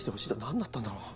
何だったんだろうな。